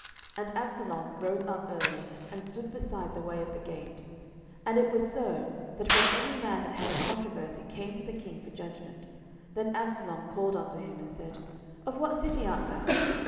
10:015:002 And Absalom rose up early, and stood beside the way of the gate: and it was so, that when any man that had a controversy came to the king for judgment, then Absalom called unto him, and said, Of what city art thou?